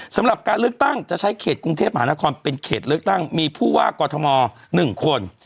สำหรับการเลือกตั้งจะใช้เขตกรุงเทพมหานครเป็นเขตเลือกตั้งมีผู้ว่ากอทม๑คน